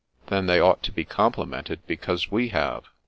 "Then they ought to be complimented because we have."